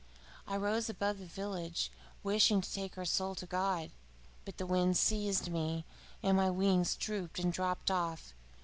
I rose above the village, wishing to take her soul to God; but a wind seized me, and my wings drooped and dropped off.